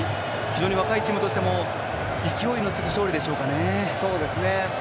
非常に若いチームとしても勢いのつく勝利ですかね。